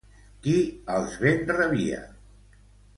Qui els ben rebia?